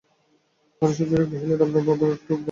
বরদাসুন্দরী কহিলেন, আপনার আবার একটু বাড়াবাড়ি আছে।